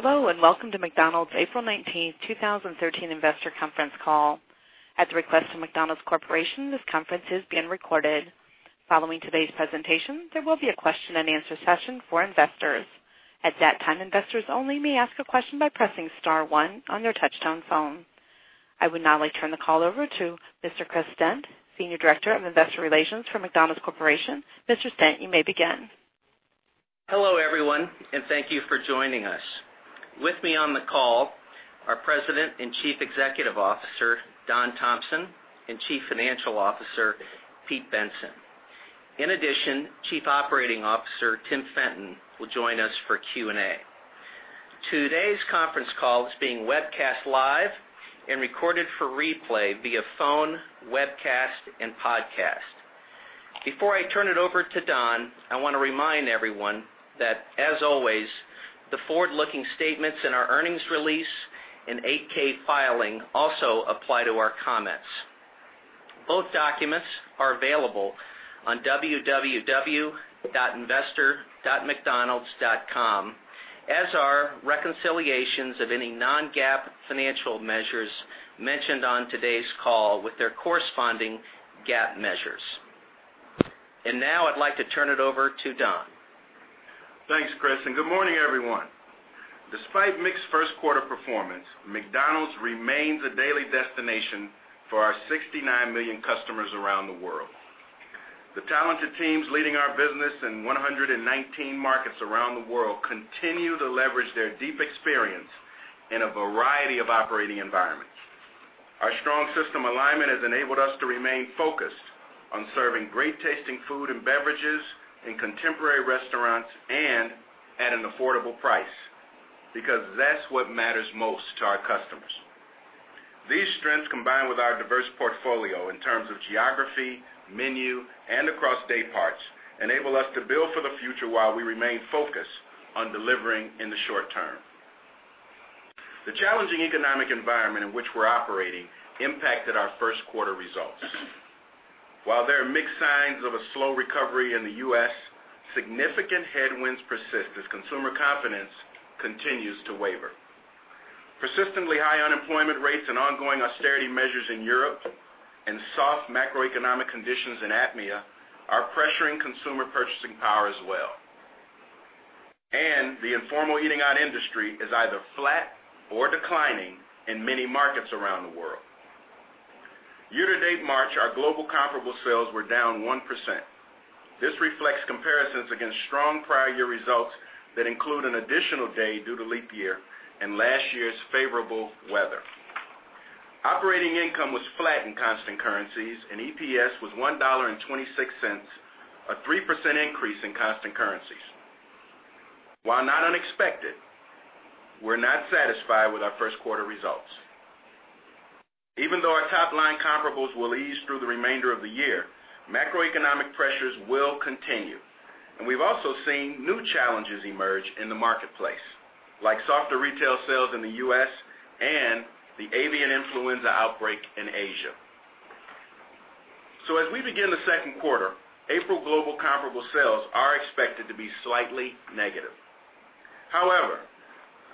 Hello, welcome to McDonald's April 19th, 2013 investor conference call. At the request of McDonald's Corporation, this conference is being recorded. Following today's presentation, there will be a question and answer session for investors. At that time, investors only may ask a question by pressing star 1 on their touch-tone phone. I would now like to turn the call over to Mr. Chris Stent, Senior Director of Investor Relations for McDonald's Corporation. Mr. Stent, you may begin. Hello, everyone, thank you for joining us. With me on the call are President and Chief Executive Officer, Don Thompson, and Chief Financial Officer, Pete Bensen. In addition, Chief Operating Officer, Tim Fenton, will join us for Q&A. Today's conference call is being webcast live and recorded for replay via phone, webcast, and podcast. Before I turn it over to Don, I want to remind everyone that, as always, the forward-looking statements in our earnings release and 8-K filing also apply to our comments. Both documents are available on www.investor.mcdonalds.com, as are reconciliations of any non-GAAP financial measures mentioned on today's call with their corresponding GAAP measures. Now I'd like to turn it over to Don. Thanks, Chris, good morning, everyone. Despite mixed first quarter performance, McDonald's remains a daily destination for our 69 million customers around the world. The talented teams leading our business in 119 markets around the world continue to leverage their deep experience in a variety of operating environments. Our strong system alignment has enabled us to remain focused on serving great-tasting food and beverages in contemporary restaurants and at an affordable price, because that's what matters most to our customers. These strengths, combined with our diverse portfolio in terms of geography, menu, and across day parts, enable us to build for the future while we remain focused on delivering in the short term. The challenging economic environment in which we're operating impacted our first quarter results. While there are mixed signs of a slow recovery in the U.S., significant headwinds persist as consumer confidence continues to waver. Persistently high unemployment rates ongoing austerity measures in Europe soft macroeconomic conditions in APMEA are pressuring consumer purchasing power as well. The Informal Eating Out industry is either flat or declining in many markets around the world. Year-to-date March, our global comparable sales were down 1%. This reflects comparisons against strong prior year results that include an additional day due to leap year last year's favorable weather. Operating income was flat in constant currencies, EPS was $1.26, a 3% increase in constant currencies. While not unexpected, we're not satisfied with our first quarter results. Even though our top-line comparables will ease through the remainder of the year, macroeconomic pressures will continue, we've also seen new challenges emerge in the marketplace, like softer retail sales in the U.S. the avian influenza outbreak in Asia. As we begin the second quarter, April global comparable sales are expected to be slightly negative. However,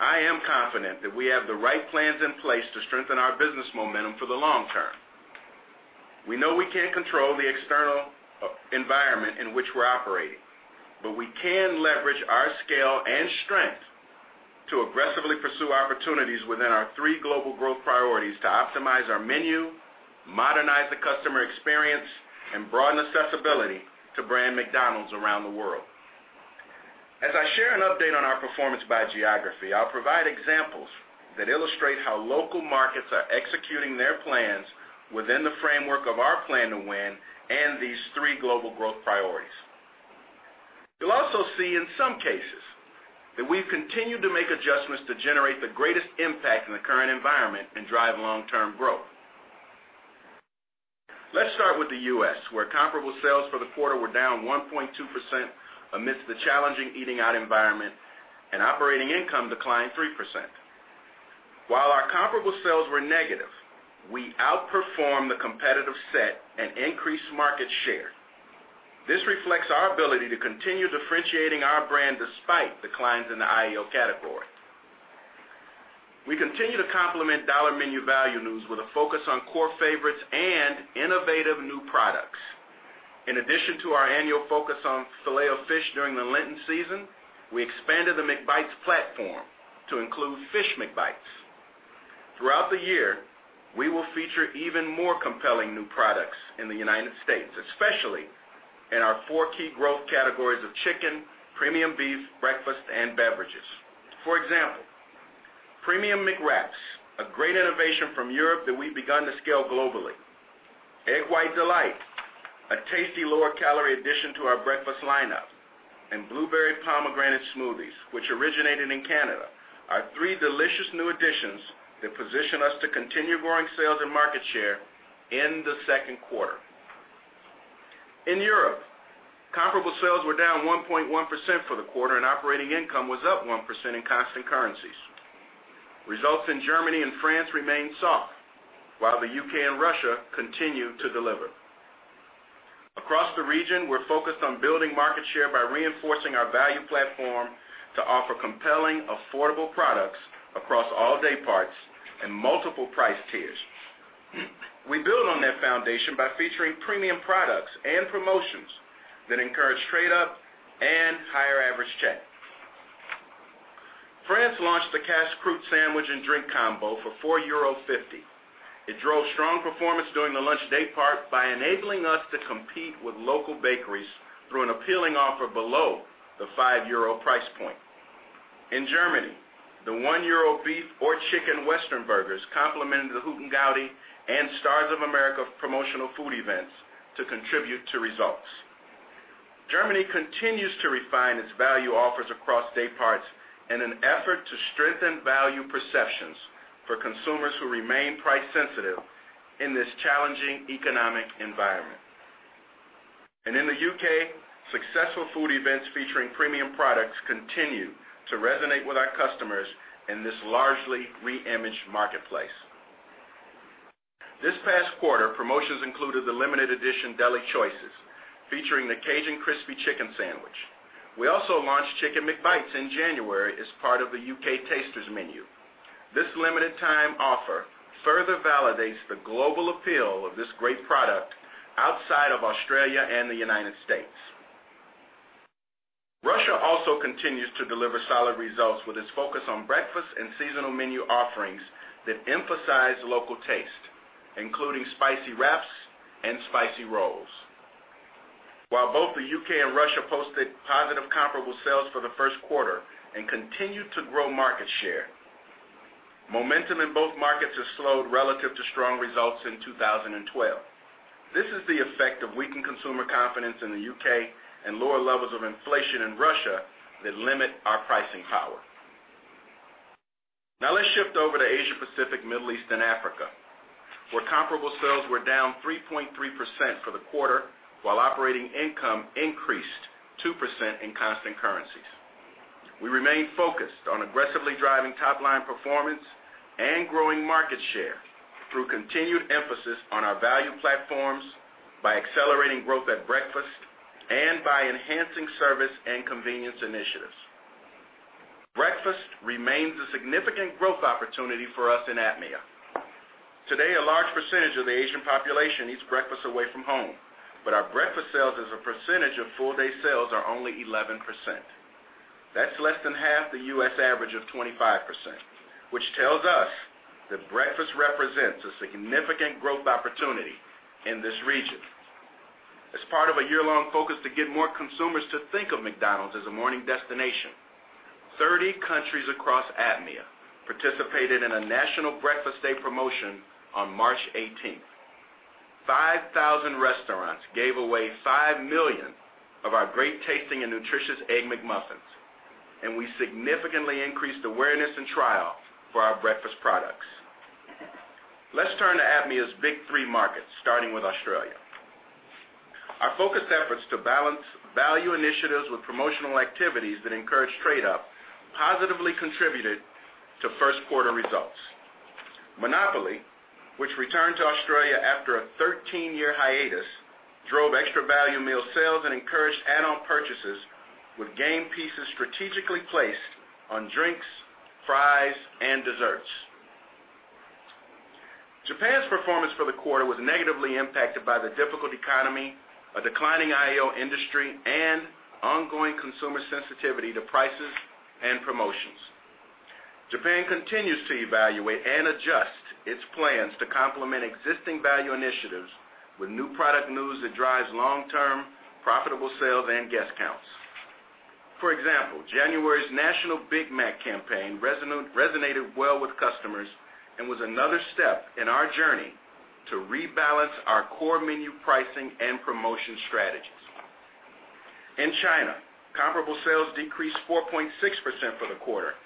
I am confident that we have the right plans in place to strengthen our business momentum for the long term. We know we can't control the external environment in which we're operating, but we can leverage our scale and strength to aggressively pursue opportunities within our three global growth priorities to optimize our menu, modernize the customer experience, and broaden accessibility to brand McDonald's around the world. As I share an update on our performance by geography, I'll provide examples that illustrate how local markets are executing their plans within the framework of our Plan to Win and these three global growth priorities. You'll also see in some cases that we've continued to make adjustments to generate the greatest impact in the current environment and drive long-term growth. Let's start with the U.S., where comparable sales for the quarter were down 1.2% amidst the challenging eating-out environment, and operating income declined 3%. While our comparable sales were negative, we outperformed the competitive set and increased market share. This reflects our ability to continue differentiating our brand despite declines in the IEO category. We continue to complement Dollar Menu value news with a focus on core favorites and innovative new products. In addition to our annual focus on Filet-O-Fish during the Lenten season, we expanded the McBites platform to include Fish McBites. Throughout the year, we will feature even more compelling new products in the United States, especially in our four key growth categories of chicken, premium beef, breakfast, and beverages. For example, Premium McWraps, a great innovation from Europe that we've begun to scale globally. Egg White Delight, a tasty lower-calorie addition to our breakfast lineup. Blueberry Pomegranate Smoothies, which originated in Canada, are three delicious new additions that position us to continue growing sales and market share in the second quarter. In Europe, comparable sales were down 1.1% for the quarter, and operating income was up 1% in constant currencies. Results in Germany and France remain soft, while the U.K. and Russia continue to deliver. Across the region, we're focused on building market share by reinforcing our value platform to offer compelling, affordable products across all day parts and multiple price tiers. We build on that foundation by featuring premium products and promotions that encourage trade up and higher average check. France launched the Casse-croûte sandwich and drink combo for 4.50 euro. It drove strong performance during the lunch day part by enabling us to compete with local bakeries through an appealing offer below the 5 euro price point. In Germany, the 1 euro beef or chicken western burgers complemented the Hüttengaudi and Stars of America promotional food events to contribute to results. Germany continues to refine its value offers across day parts in an effort to strengthen value perceptions for consumers who remain price sensitive in this challenging economic environment. In the U.K., successful food events featuring premium products continue to resonate with our customers in this largely re-imaged marketplace. This past quarter, promotions included the limited edition Deli Choices, featuring the Cajun Crispy Chicken Sandwich. We also launched Chicken McBites in January as part of the U.K. Tasters Menu. This limited time offer further validates the global appeal of this great product outside of Australia and the United States. Russia also continues to deliver solid results with its focus on breakfast and seasonal menu offerings that emphasize local taste, including spicy wraps and spicy rolls. While both the U.K. and Russia posted positive comparable sales for the first quarter and continue to grow market share, momentum in both markets has slowed relative to strong results in 2012. This is the effect of weakened consumer confidence in the U.K. and lower levels of inflation in Russia that limit our pricing power. Let's shift over to Asia Pacific, Middle East, and Africa, where comparable sales were down 3.3% for the quarter while operating income increased 2% in constant currencies. We remain focused on aggressively driving top-line performance and growing market share through continued emphasis on our value platforms by accelerating growth at breakfast and by enhancing service and convenience initiatives. Breakfast remains a significant growth opportunity for us in APMEA. Today, a large percentage of the Asian population eats food away from home, but our breakfast sales as a percentage of full-day sales are only 11%. That's less than half the U.S. average of 25%, which tells us that breakfast represents a significant growth opportunity in this region. As part of a year-long focus to get more consumers to think of McDonald's as a morning destination, 30 countries across APMEA participated in a national breakfast day promotion on March 18th. 5,000 restaurants gave away 5 million of our great tasting and nutritious Egg McMuffins, and we significantly increased awareness and trial for our breakfast products. Let's turn to APMEA's big three markets, starting with Australia. Our focused efforts to balance value initiatives with promotional activities that encourage trade-up positively contributed to first quarter results. Monopoly, which returned to Australia after a 13-year hiatus, drove extra value meal sales and encouraged add-on purchases with game pieces strategically placed on drinks, fries, and desserts. Japan's performance for the quarter was negatively impacted by the difficult economy, a declining IEO industry, and ongoing consumer sensitivity to prices and promotions. Japan continues to evaluate and adjust its plans to complement existing value initiatives with new product news that drives long-term profitable sales and guest counts. For example, January's national Big Mac campaign resonated well with customers and was another step in our journey to rebalance our core menu pricing and promotion strategies. In China, comparable sales decreased 4.6% for the quarter,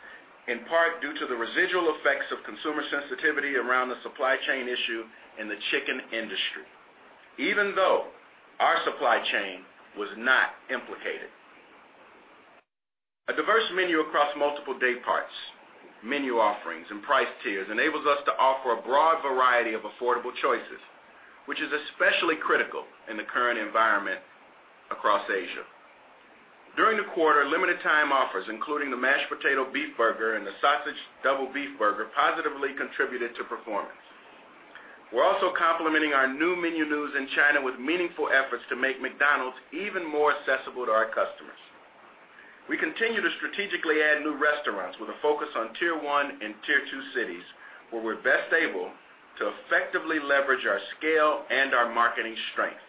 in part due to the residual effects of consumer sensitivity around the supply chain issue in the chicken industry, even though our supply chain was not implicated. A diverse menu across multiple dayparts, menu offerings, and price tiers enables us to offer a broad variety of affordable choices, which is especially critical in the current environment across Asia. During the quarter, limited time offers, including the Mashed Potato Beef Burger and the Sausage Double Beef Burger, positively contributed to performance. We're also complementing our new menu news in China with meaningful efforts to make McDonald's even more accessible to our customers. We continue to strategically add new restaurants with a focus on tier 1 and tier 2 cities, where we're best able to effectively leverage our scale and our marketing strength.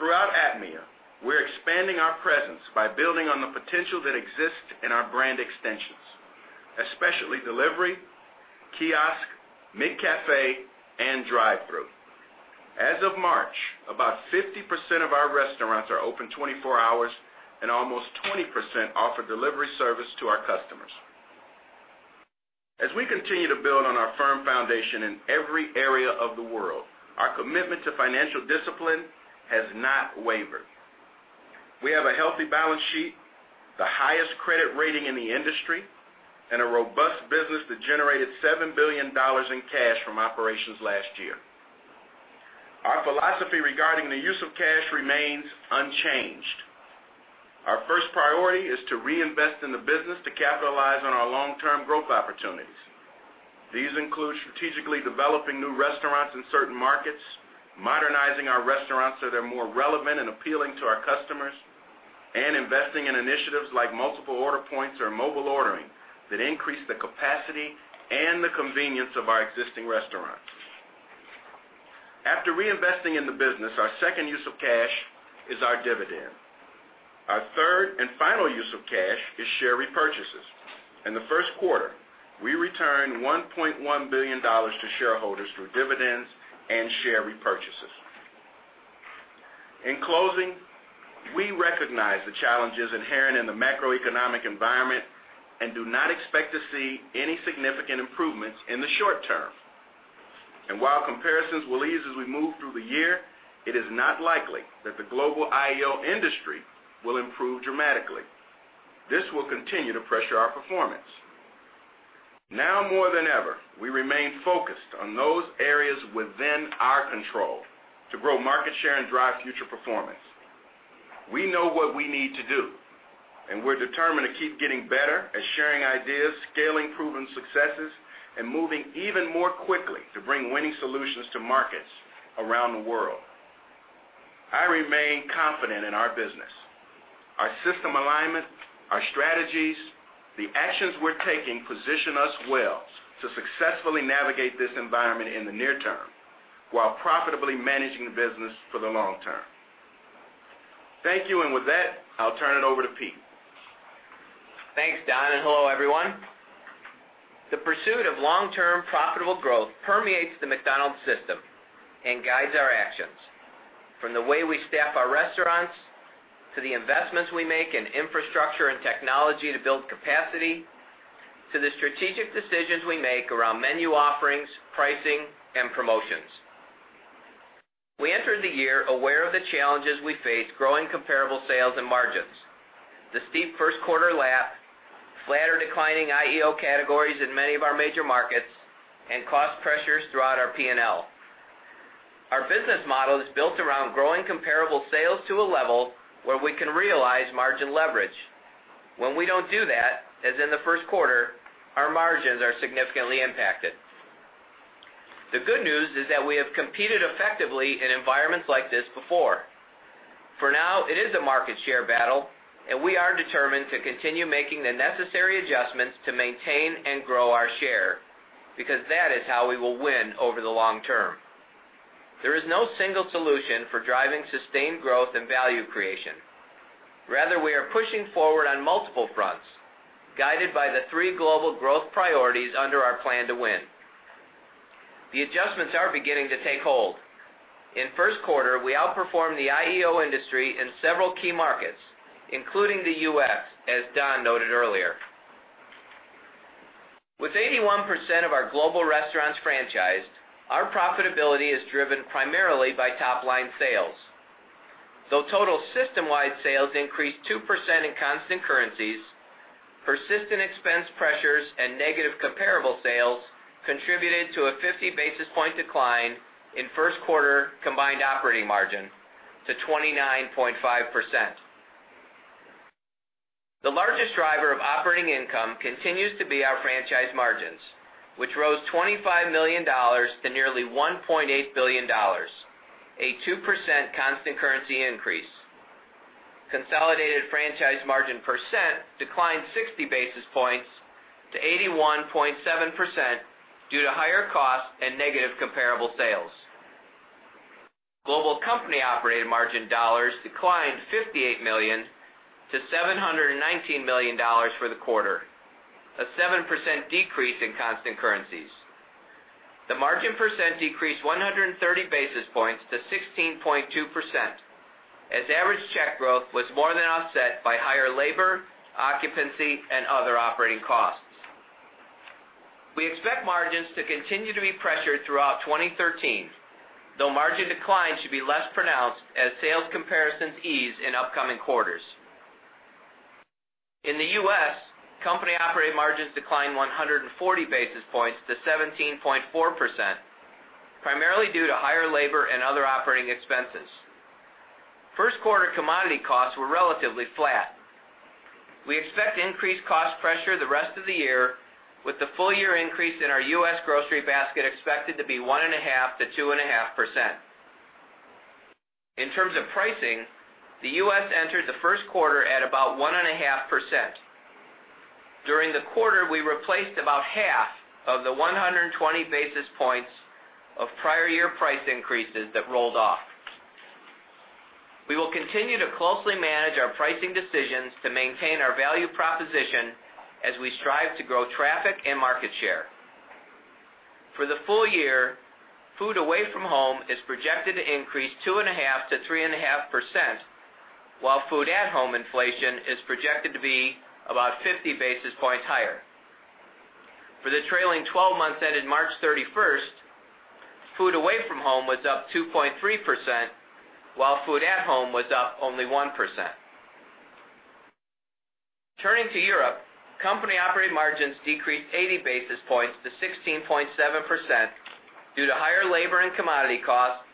Throughout APMEA, we're expanding our presence by building on the potential that exists in our brand extensions, especially delivery, kiosk, McCafé, and drive-thru. As of March, about 50% of our restaurants are open 24 hours and almost 20% offer delivery service to our customers. As we continue to build on our firm foundation in every area of the world, our commitment to financial discipline has not wavered. We have a healthy balance sheet, the highest credit rating in the industry, and a robust business that generated $7 billion in cash from operations last year. Our philosophy regarding the use of cash remains unchanged. Our first priority is to reinvest in the business to capitalize on our long-term growth opportunities. These include strategically developing new restaurants in certain markets, modernizing our restaurants so they're more relevant and appealing to our customers, and investing in initiatives like multiple order points or mobile ordering that increase the capacity and the convenience of our existing restaurants. After reinvesting in the business, our second use of cash is our dividend. Our third and final use of cash is share repurchases. In the first quarter, we returned $1.1 billion to shareholders through dividends and share repurchases. In closing, we recognize the challenges inherent in the macroeconomic environment and do not expect to see any significant improvements in the short term. While comparisons will ease as we move through the year, it is not likely that the global IEO industry will improve dramatically. This will continue to pressure our performance. Now more than ever, we remain focused on those areas within our control to grow market share and drive future performance. We know what we need to do, and we're determined to keep getting better at sharing ideas, scaling proven successes, and moving even more quickly to bring winning solutions to markets around the world. I remain confident in our business. Our system alignment, our strategies, the actions we're taking position us well to successfully navigate this environment in the near term while profitably managing the business for the long term. Thank you, with that, I'll turn it over to Pete. Thanks, Don, hello, everyone. The pursuit of long-term profitable growth permeates the McDonald's system and guides our actions, from the way we staff our restaurants, to the investments we make in infrastructure and technology to build capacity, to the strategic decisions we make around menu offerings, pricing, and promotions. We enter the year aware of the challenges we face growing comparable sales and margins. The steep first quarter lap, flatter declining IEO categories in many of our major markets, and cost pressures throughout our P&L. Our business model is built around growing comparable sales to a level where we can realize margin leverage. When we don't do that, as in the first quarter, our margins are significantly impacted. The good news is that we have competed effectively in environments like this before. For now, it is a market share battle, and we are determined to continue making the necessary adjustments to maintain and grow our share, because that is how we will win over the long term. There is no single solution for driving sustained growth and value creation. Rather, we are pushing forward on multiple fronts, guided by the three global growth priorities under our Plan to Win. The adjustments are beginning to take hold. In first quarter, we outperformed the IEO industry in several key markets, including the U.S., as Don noted earlier. With 81% of our global restaurants franchised, our profitability is driven primarily by top-line sales. Though total system-wide sales increased 2% in constant currencies, persistent expense pressures and negative comparable sales contributed to a 50 basis point decline in first quarter combined operating margin to 29.5%. The largest driver of operating income continues to be our franchise margins, which rose $25 million to nearly $1.8 billion, a 2% constant currency increase. Consolidated franchise margin percent declined 60 basis points to 81.7% due to higher costs and negative comparable sales. Global company operating margin dollars declined $58 million to $719 million for the quarter, a 7% decrease in constant currencies. The margin percent decreased 130 basis points to 16.2% as average check growth was more than offset by higher labor, occupancy, and other operating costs. We expect margins to continue to be pressured throughout 2013, though margin decline should be less pronounced as sales comparisons ease in upcoming quarters. In the U.S., company operating margins declined 140 basis points to 17.4%, primarily due to higher labor and other operating expenses. First quarter commodity costs were relatively flat. We expect increased cost pressure the rest of the year, with the full year increase in our U.S. grocery basket expected to be 1.5%-2.5%. In terms of pricing, the U.S. entered the first quarter at about 1.5%. During the quarter, we replaced about half of the 120 basis points of prior year price increases that rolled off. We will continue to closely manage our pricing decisions to maintain our value proposition as we strive to grow traffic and market share. For the full year, food away from home is projected to increase 2.5%-3.5%, while food at home inflation is projected to be about 50 basis points higher. For the trailing 12 months ended March 31st, food away from home was up 2.3%, while food at home was up only 1%. Turning to Europe, company operating margins decreased 80 basis points to 16.7% due to higher labor and commodity costs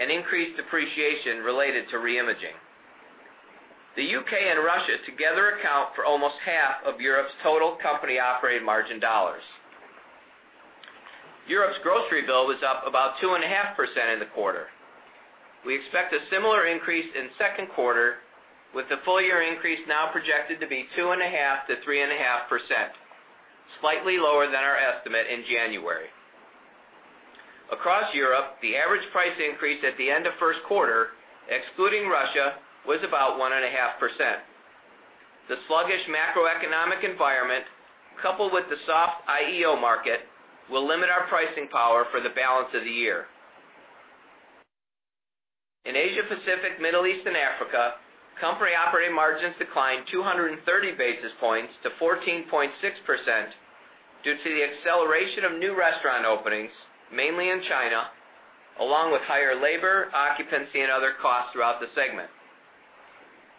and increased depreciation related to reimaging. The U.K. and Russia together account for almost half of Europe's total company operating margin dollars. Europe's grocery bill was up about 2.5% in the quarter. We expect a similar increase in second quarter, with the full-year increase now projected to be 2.5%-3.5%, slightly lower than our estimate in January. Across Europe, the average price increase at the end of first quarter, excluding Russia, was about 1.5%. The sluggish macroeconomic environment, coupled with the soft IEO market, will limit our pricing power for the balance of the year. In Asia Pacific, Middle East, and Africa, company operating margins declined 230 basis points to 14.6% due to the acceleration of new restaurant openings, mainly in China, along with higher labor, occupancy, and other costs throughout the segment.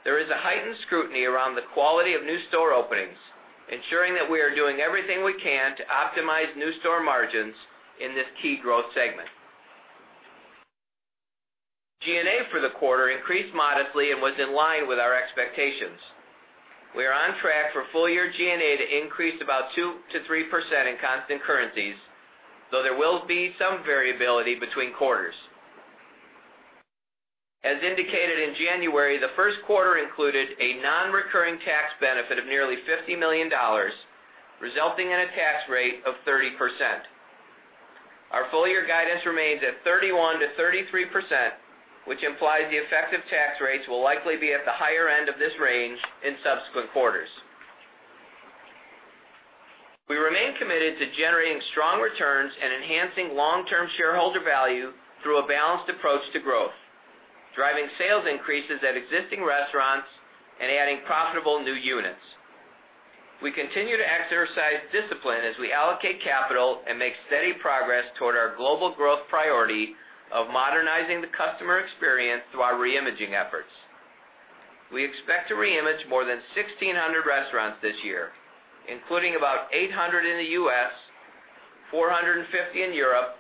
There is a heightened scrutiny around the quality of new store openings, ensuring that we are doing everything we can to optimize new store margins in this key growth segment. G&A for the quarter increased modestly and was in line with our expectations. We are on track for full-year G&A to increase about 2%-3% in constant currencies, though there will be some variability between quarters. As indicated in January, the first quarter included a non-recurring tax benefit of nearly $50 million, resulting in a tax rate of 30%. Our full-year guidance remains at 31%-33%, which implies the effective tax rates will likely be at the higher end of this range in subsequent quarters. We remain committed to generating strong returns and enhancing long-term shareholder value through a balanced approach to growth, driving sales increases at existing restaurants and adding profitable new units. We continue to exercise discipline as we allocate capital and make steady progress toward our global growth priority of modernizing the customer experience through our reimaging efforts. We expect to reimage more than 1,600 restaurants this year, including about 800 in the U.S., 450 in Europe,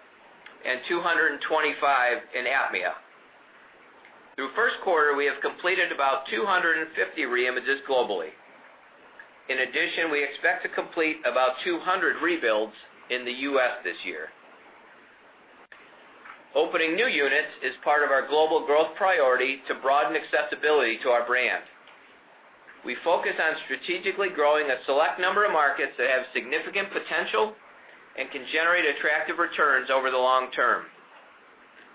and 225 in APMEA. Through first quarter, we have completed about 250 reimages globally. In addition, we expect to complete about 200 rebuilds in the U.S. this year. Opening new units is part of our global growth priority to broaden accessibility to our brand. We focus on strategically growing a select number of markets that have significant potential and can generate attractive returns over the long term.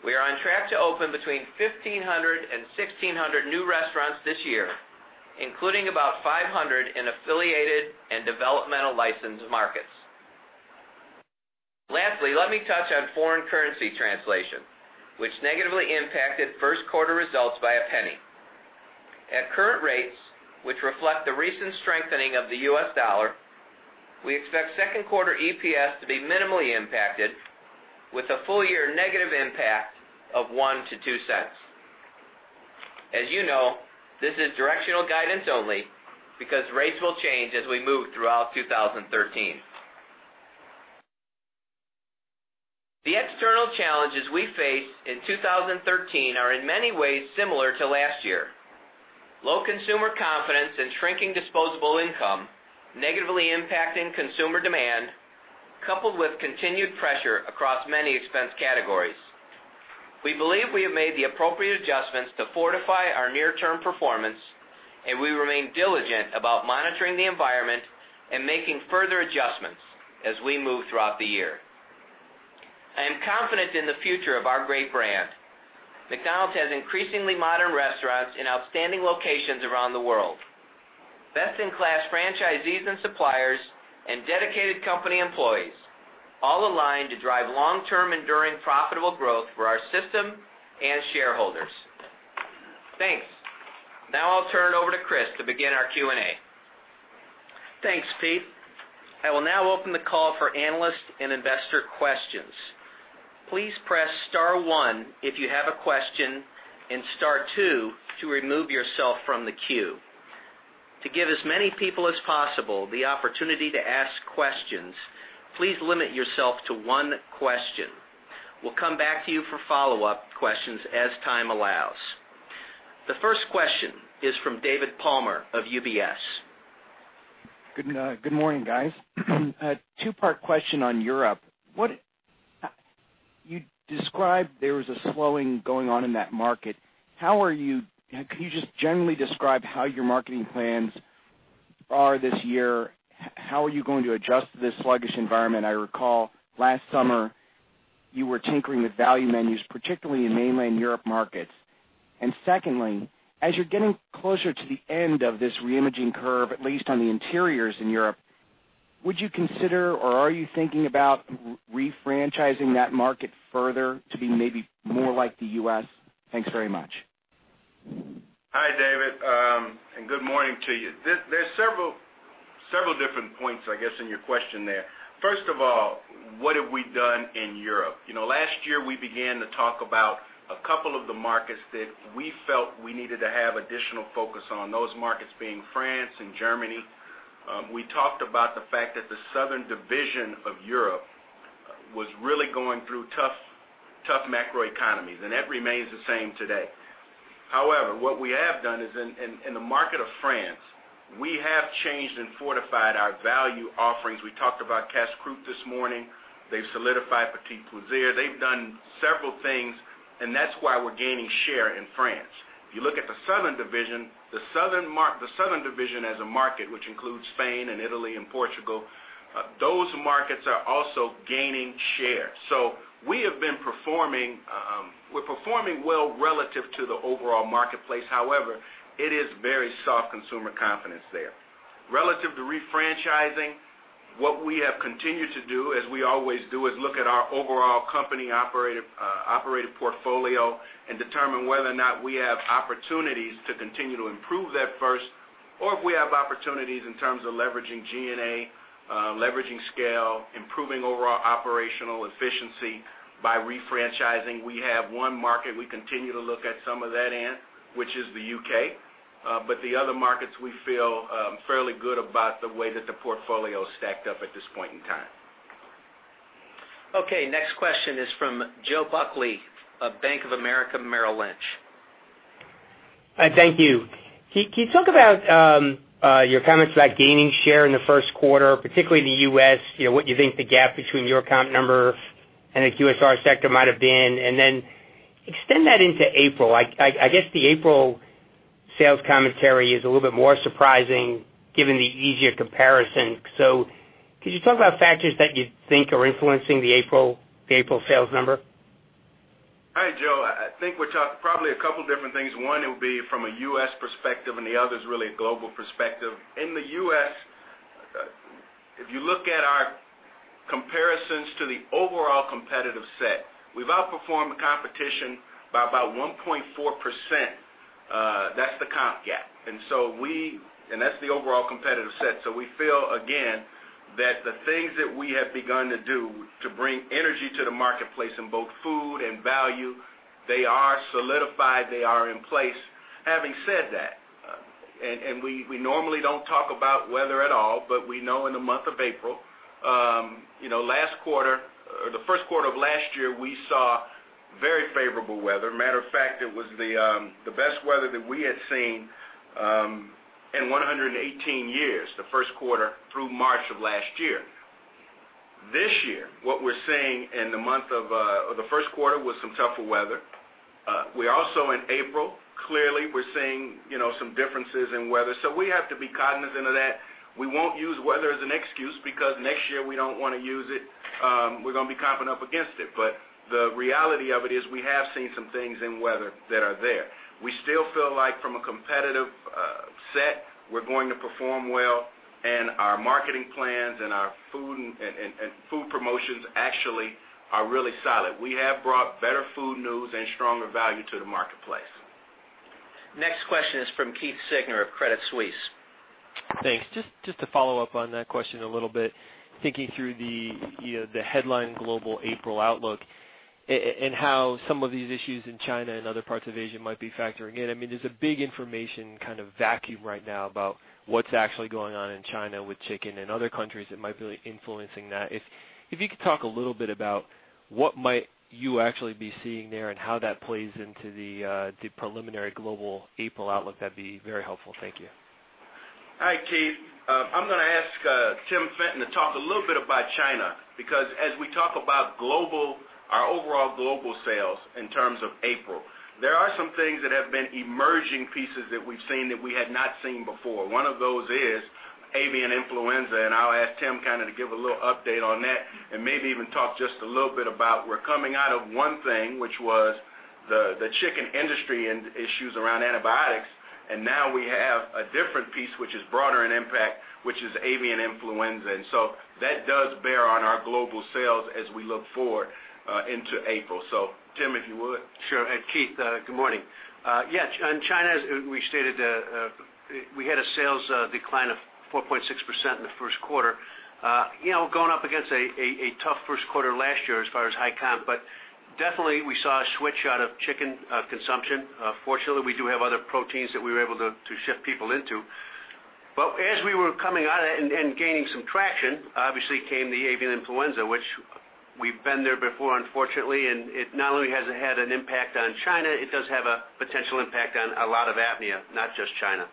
We are on track to open between 1,500 and 1,600 new restaurants this year, including about 500 in affiliated and developmental licensed markets. Lastly, let me touch on foreign currency translation, which negatively impacted first quarter results by $0.01. At current rates, which reflect the recent strengthening of the U.S. dollar, we expect second quarter EPS to be minimally impacted with a full-year negative impact of $0.01-$0.02. As you know, this is directional guidance only because rates will change as we move throughout 2013. The external challenges we face in 2013 are in many ways similar to last year. Low consumer confidence and shrinking disposable income negatively impacting consumer demand, coupled with continued pressure across many expense categories. We believe we have made the appropriate adjustments to fortify our near-term performance, we remain diligent about monitoring the environment and making further adjustments as we move throughout the year. I am confident in the future of our great brand. McDonald's has increasingly modern restaurants in outstanding locations around the world, best-in-class franchisees and suppliers, and dedicated company employees, all aligned to drive long-term enduring profitable growth for our system and shareholders. Thanks. Now I'll turn it over to Chris to begin our Q&A. Thanks, Pete. I will now open the call for analyst and investor questions. Please press *1 if you have a question and *2 to remove yourself from the queue. To give as many people as possible the opportunity to ask questions, please limit yourself to one question. We'll come back to you for follow-up questions as time allows. The first question is from David Palmer of UBS. Good morning, guys. A two-part question on Europe. You described there was a slowing going on in that market. Can you just generally describe how your marketing plans are this year? How are you going to adjust to this sluggish environment? I recall last summer you were tinkering with value menus, particularly in mainland Europe markets. Secondly, as you're getting closer to the end of this reimaging curve, at least on the interiors in Europe, would you consider or are you thinking about refranchising that market further to be maybe more like the U.S.? Thanks very much. Hi, David, and good morning to you. There's several different points, I guess, in your question there. First of all, what have we done in Europe? Last year, we began to talk about a couple of the markets that we felt we needed to have additional focus on, those markets being France and Germany. We talked about the fact that the Southern division of Europe was really going through tough macroeconomies, and that remains the same today. However, what we have done is in the market of France, we have changed and fortified our value offerings. We talked about Casse-croûte this morning. They've solidified P'tit Wrap. They've done several things, and that's why we're gaining share in France. If you look at the Southern division as a market, which includes Spain and Italy and Portugal, those markets are also gaining share. We're performing well relative to the overall marketplace. However, it is very soft consumer confidence there. Relative to refranchising, what we have continued to do, as we always do, is look at our overall company-operated portfolio and determine whether or not we have opportunities to continue to improve that first, or if we have opportunities in terms of leveraging G&A, leveraging scale, improving overall operational efficiency by refranchising. We have one market we continue to look at some of that in, which is the U.K. The other markets, we feel fairly good about the way that the portfolio is stacked up at this point in time. Okay. Next question is from Joe Buckley of Bank of America Merrill Lynch. Thank you. Can you talk about your comments about gaining share in the first quarter, particularly in the U.S., what you think the gap between your comp number and the QSR sector might have been? Extend that into April. I guess the April sales commentary is a little bit more surprising given the easier comparison. Could you talk about factors that you think are influencing the April sales number? Hi, Joe. I think we're talking probably a couple different things. One would be from a U.S. perspective, and the other is really a global perspective. In the U.S., if you look at our comparisons to the overall competitive set, we've outperformed the competition by about 1.4%. That's the comp gap. That's the overall competitive set. We feel, again, that the things that we have begun to do to bring energy to the marketplace in both food and value, they are solidified, they are in place. Having said that, we normally don't talk about weather at all. We know in the month of April, the first quarter of last year, we saw very favorable weather. Matter of fact, it was the best weather that we had seen in 118 years, the first quarter through March of last year. This year, what we're seeing in the first quarter was some tougher weather. We're also in April. Clearly, we're seeing some differences in weather. We have to be cognizant of that. We won't use weather as an excuse because next year we don't want to use it. We're going to be comping up against it. The reality of it is we have seen some things in weather that are there. We still feel like from a competitive set, we're going to perform well. Our marketing plans and our food promotions actually are really solid. We have brought better food news and stronger value to the marketplace. Next question is from Keith Siegner of Credit Suisse. Thanks. Just to follow up on that question a little bit, thinking through the headline global April outlook and how some of these issues in China and other parts of Asia might be factoring in. There's a big information kind of vacuum right now about what's actually going on in China with chicken and other countries that might be influencing that. If you could talk a little bit about what might you actually be seeing there and how that plays into the preliminary global April outlook, that'd be very helpful. Thank you. All right, Keith. I'm going to ask Tim Fenton to talk a little bit about China, because as we talk about our overall global sales in terms of April, there are some things that have been emerging pieces that we've seen that we had not seen before. One of those is avian influenza, and I'll ask Tim to give a little update on that and maybe even talk just a little bit about we're coming out of one thing, which was the chicken industry and issues around antibiotics, and now we have a different piece which is broader in impact, which is avian influenza. That does bear on our global sales as we look forward into April. Tim, if you would. Sure. And Keith, good morning. Yeah, in China, as we stated, we had a sales decline of 4.6% in the first quarter. Going up against a tough first quarter last year as far as high comp, definitely we saw a switch out of chicken consumption. Fortunately, we do have other proteins that we were able to shift people into. As we were coming out and gaining some traction, obviously came the avian influenza, which we've been there before, unfortunately, and it not only has had an impact on China, it does have a potential impact on a lot of APMEA, not just China.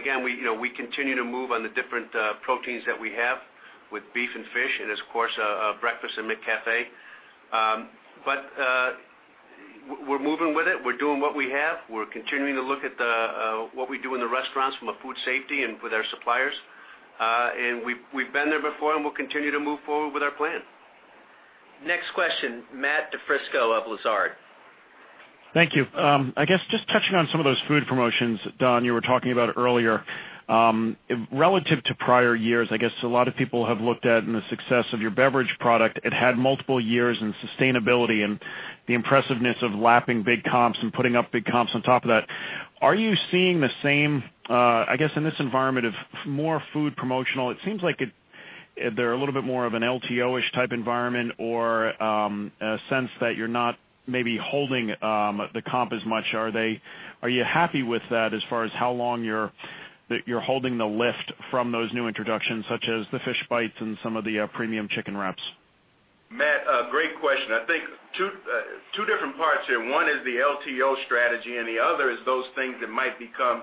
Again, we continue to move on the different proteins that we have with beef and fish and, of course, breakfast and McCafé. We're moving with it. We're doing what we have. We're continuing to look at what we do in the restaurants from a food safety and with our suppliers. We've been there before, and we'll continue to move forward with our plan. Next question, Matthew DiFrisco of Lazard. Thank you. I guess just touching on some of those food promotions, Don, you were talking about earlier. Relative to prior years, I guess a lot of people have looked at in the success of your beverage product, it had multiple years in sustainability and the impressiveness of lapping big comps and putting up big comps on top of that. Are you seeing the same, I guess, in this environment of more food promotional? It seems like they're a little bit more of an LTO-ish type environment or a sense that you're not maybe holding the comp as much. Are you happy with that as far as how long that you're holding the lift from those new introductions, such as the Fish Bites and some of the premium chicken wraps? Matt, great question. I think two different parts here. One is the LTO strategy, and the other is those things that might become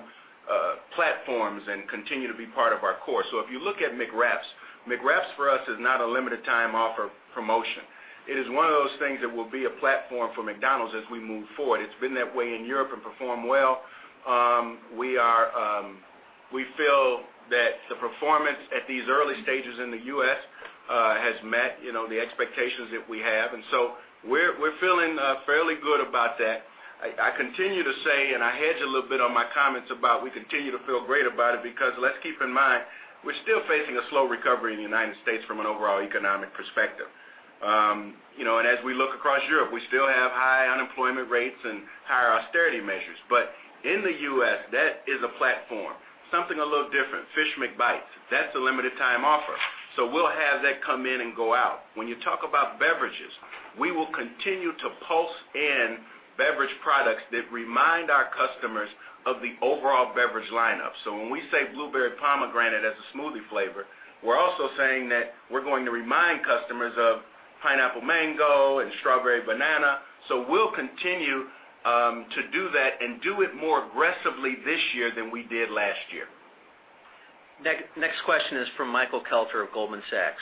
platforms and continue to be part of our core. If you look at McWraps for us is not a limited time offer promotion. It is one of those things that will be a platform for McDonald's as we move forward. It's been that way in Europe and performed well. We feel that the performance at these early stages in the U.S. has met the expectations that we have. We're feeling fairly good about that. I continue to say, and I hedge a little bit on my comments about we continue to feel great about it because let's keep in mind, we're still facing a slow recovery in the United States from an overall economic perspective. As we look across Europe, we still have high unemployment rates and higher austerity measures. In the U.S., that is a platform, something a little different. Fish McBites, that's a limited-time offer. We'll have that come in and go out. When you talk about beverages, we will continue to pulse in beverage products that remind our customers of the overall beverage lineup. When we say Blueberry Pomegranate as a smoothie flavor, we're also saying that we're going to remind customers of Mango Pineapple and Strawberry Banana. We'll continue to do that and do it more aggressively this year than we did last year. Next question is from Michael Kelter of Goldman Sachs.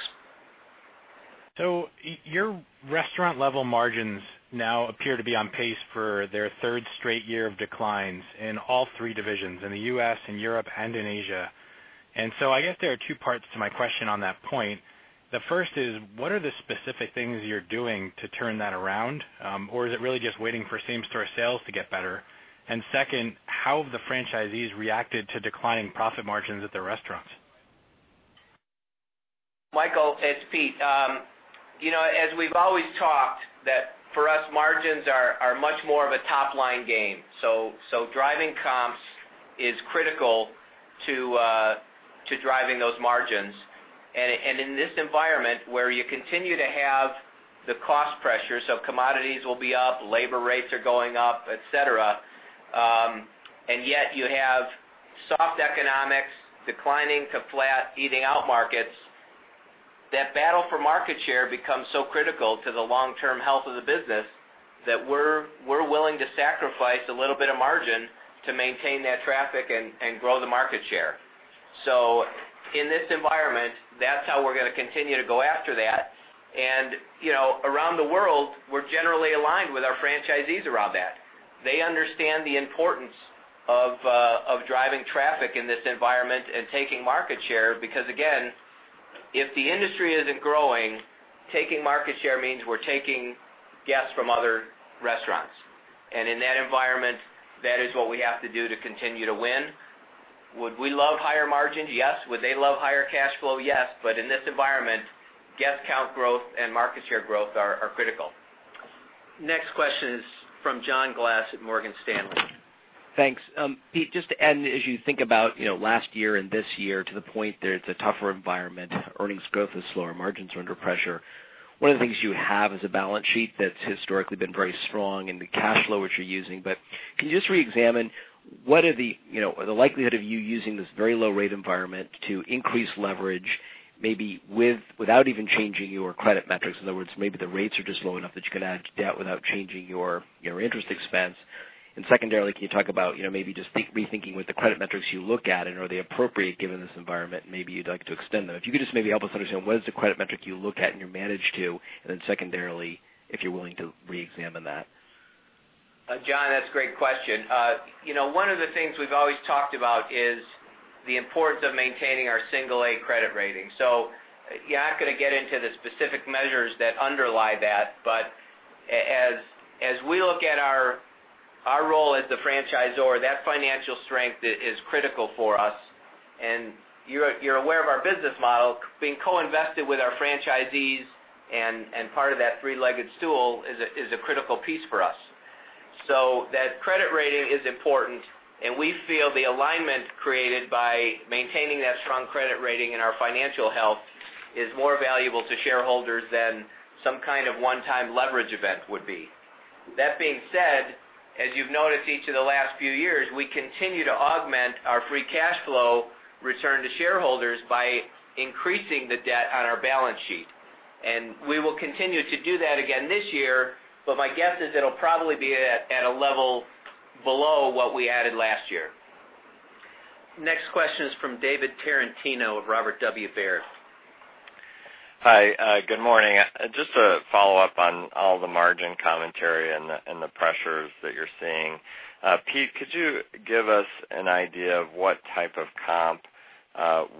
Your restaurant level margins now appear to be on pace for their third straight year of declines in all three divisions, in the U.S. and Europe and in Asia. I guess there are two parts to my question on that point. The first is, what are the specific things you're doing to turn that around? Or is it really just waiting for same-store sales to get better? Second, how have the franchisees reacted to declining profit margins at their restaurants? Michael, it's Pete. As we've always talked, that for us, margins are much more of a top-line game. Driving comps is critical to driving those margins. In this environment where you continue to have the cost pressure, commodities will be up, labor rates are going up, et cetera, yet you have soft economics declining to flat eating out markets, that battle for market share becomes so critical to the long-term health of the business that we're willing to sacrifice a little bit of margin to maintain that traffic and grow the market share. In this environment, that's how we're going to continue to go after that. Around the world, we're generally aligned with our franchisees around that. They understand the importance of driving traffic in this environment and taking market share because, again, if the industry isn't growing, taking market share means we're taking guests from other restaurants. In that environment, that is what we have to do to continue to win. Would we love higher margins? Yes. Would they love higher cash flow? Yes. In this environment, guest count growth and market share growth are critical. Next question is from John Glass at Morgan Stanley. Thanks. Pete, just to end, as you think about last year and this year, to the point that it's a tougher environment, earnings growth is slower, margins are under pressure. One of the things you have is a balance sheet that's historically been very strong and the cash flow, which you're using, can you just reexamine what are the likelihood of you using this very low rate environment to increase leverage, maybe without even changing your credit metrics? In other words, maybe the rates are just low enough that you could add debt without changing your interest expense. Secondarily, can you talk about maybe just rethinking what the credit metrics you look at and are they appropriate given this environment? Maybe you'd like to extend them. If you could just maybe help us understand what is the credit metric you look at and you manage to, then secondarily, if you're willing to reexamine that. John, that's a great question. One of the things we've always talked about is the importance of maintaining our single A credit rating. You're not going to get into the specific measures that underlie that. As we look at our role as the franchisor, that financial strength is critical for us. You're aware of our business model being co-invested with our franchisees and part of that three-legged stool is a critical piece for us. That credit rating is important, and we feel the alignment created by maintaining that strong credit rating and our financial health is more valuable to shareholders than some kind of one-time leverage event would be. That being said, as you've noticed each of the last few years, we continue to augment our free cash flow return to shareholders by increasing the debt on our balance sheet. We will continue to do that again this year, but my guess is it'll probably be at a level below what we added last year. Next question is from David Tarantino of Robert W. Baird. Hi. Good morning. Just to follow up on all the margin commentary and the pressures that you're seeing. Pete, could you give us an idea of what type of comp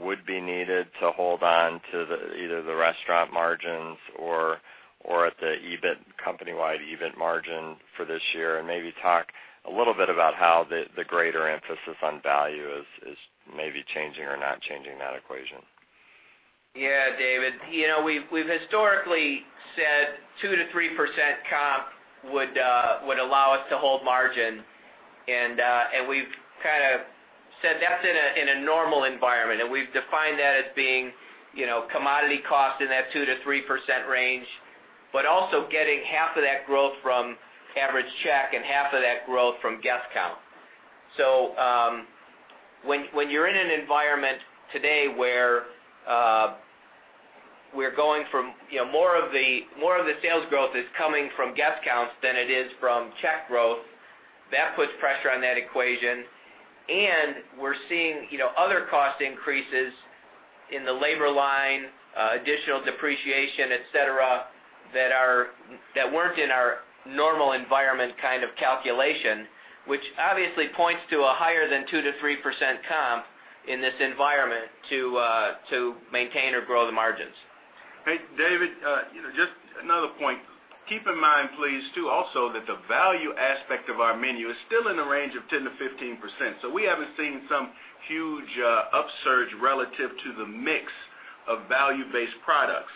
Would be needed to hold on to either the restaurant margins or at the company-wide EBIT margin for this year. Maybe talk a little bit about how the greater emphasis on value is maybe changing or not changing that equation. Yeah, David. We've historically said 2%-3% comp would allow us to hold margin, we've kind of said that's in a normal environment, we've defined that as being commodity cost in that 2%-3% range, but also getting half of that growth from average check and half of that growth from guest count. When you're in an environment today where more of the sales growth is coming from guest counts than it is from check growth, that puts pressure on that equation. We're seeing other cost increases in the labor line, additional depreciation, et cetera, that weren't in our normal environment kind of calculation, which obviously points to a higher than 2%-3% comp in this environment to maintain or grow the margins. Hey, David, just another point. Keep in mind, please, too, also, that the value aspect of our menu is still in the range of 10%-15%. We haven't seen some huge upsurge relative to the mix of value-based products.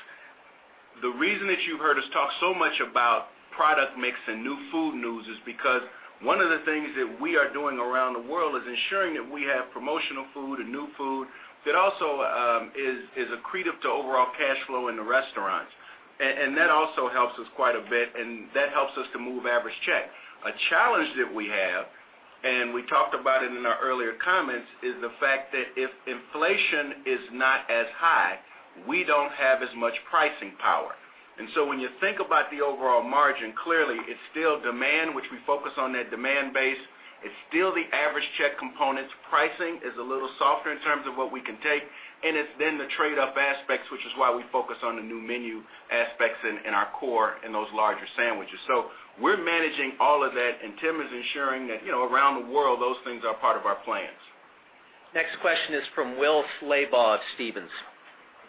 The reason that you heard us talk so much about product mix and new food news is because one of the things that we are doing around the world is ensuring that we have promotional food and new food that also is accretive to overall cash flow in the restaurants. That also helps us quite a bit, and that helps us to move average check. A challenge that we have, and we talked about it in our earlier comments, is the fact that if inflation is not as high, we don't have as much pricing power. When you think about the overall margin, clearly it's still demand, which we focus on that demand base. It's still the average check components. Pricing is a little softer in terms of what we can take, and it's then the trade-up aspects, which is why we focus on the new menu aspects in our core and those larger sandwiches. We're managing all of that, and Tim is ensuring that around the world, those things are part of our plans. Next question is from Will Slabaugh of Stephens.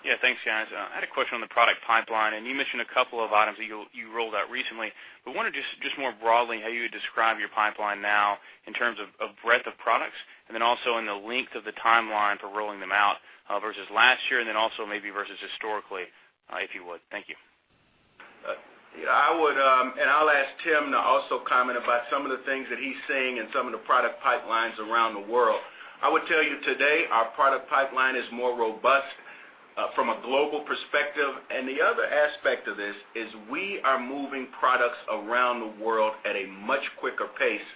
Yeah, thanks, guys. I had a question on the product pipeline. You mentioned a couple of items that you rolled out recently, I wonder just more broadly how you would describe your pipeline now in terms of breadth of products and then also in the length of the timeline for rolling them out versus last year and then also maybe versus historically, if you would. Thank you. I'll ask Tim to also comment about some of the things that he's seeing in some of the product pipelines around the world. I would tell you today our product pipeline is more robust from a global perspective. The other aspect of this is we are moving products around the world at a much quicker pace,